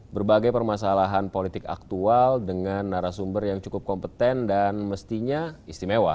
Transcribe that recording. berbagai permasalahan politik aktual dengan narasumber yang cukup kompeten dan mestinya istimewa